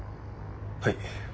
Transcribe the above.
はい。